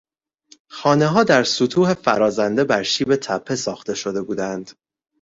خانهها در سطوح فرازنده بر شیب تپه ساخته شده بودند.